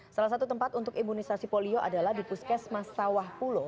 salah satu tempat untuk imunisasi polio adalah di puskesmas sawah pulo